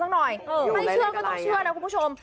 ถ้าใครไม่เชื่อก็ต้องเชื่อนะครับคุณผู้ชม